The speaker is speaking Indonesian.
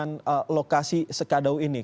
mungkin bapak bisa berkoordinasi nantinya